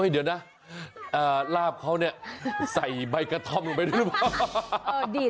เดี๋ยวนะลาบเขาเนี่ยใส่ใบกระท่อมลงไปด้วยหรือเปล่า